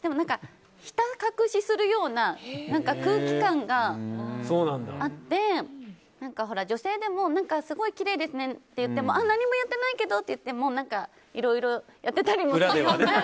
ひた隠しするような空気感があって女性でもすごいきれいですねと言っても何もやってないけどと言ってもいろいろやっていたりもするから。